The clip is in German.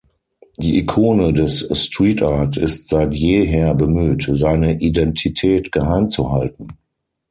Die Ikone des Streetart ist seit jeher bemüht, seine Identität geheim zu halten.